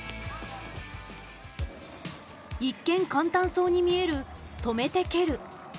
一見簡単そうに見える「止めて蹴る」。